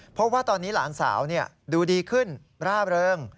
เพราะว่าตอนนี้หลานสาวดูดีขึ้นร่าเริง